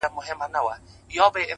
• گلي ـ